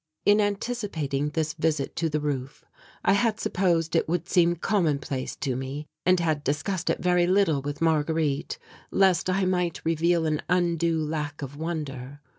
In anticipating this visit to the roof I had supposed it would seem commonplace to me, and had discussed it very little with Marguerite, lest I might reveal an undue lack of wonder.